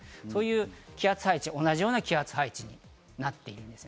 そういう気圧配置、同じような気圧配置になっています。